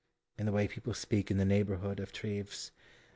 in the way people speak in the neighborhood of Treves.